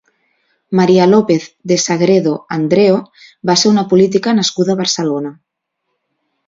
María López de Sagredo Andreo va ser una política nascuda a Barcelona.